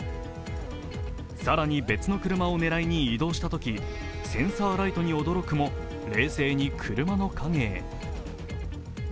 更に別の車を狙いに移動したときセンサーライトに驚くも、冷静に車の陰へ。